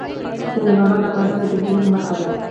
سنگ مرمر د افغانستان د طبیعي زیرمو برخه ده.